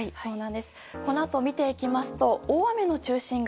このあと見ていきますと大雨の中心が